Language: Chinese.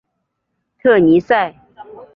特尼塞。